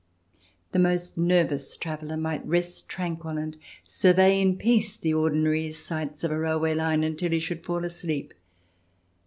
The most nervous traveller might rest tranquil, and survey in peace the ordinary sights of a railway line until he should fall asleep.